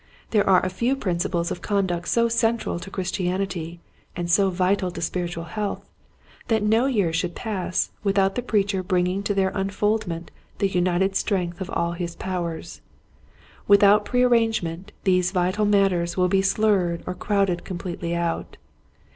There are a few principles of conduct so central to Christianity and so vital to spiritual health that no year should pass without the preacher bringing to their unfoldment the united strength of all his powers. With out prearrangement these vital matters will be slurred or crowded completely out.